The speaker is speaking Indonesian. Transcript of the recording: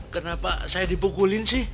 kenapa saya dipukulin sih